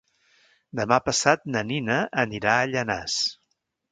Demà passat na Nina anirà a Llanars.